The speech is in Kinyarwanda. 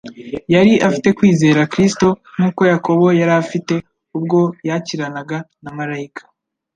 Yari afite kwizera Kristo nk’uko Yakobo yari afite ubwo yakiranaga na Malayika